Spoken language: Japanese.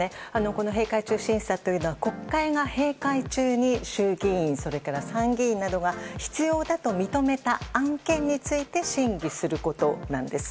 この閉会中審査というのは国会が閉会中に衆議院それから参議院などが必要だと認めた案件について審議することなんです。